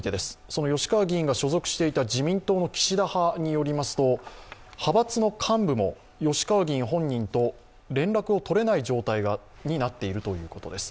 その吉川議員が所属していた自民党の岸田派によりますと、派閥の幹部も吉川議員本人と連絡が取れない状態になっているということです。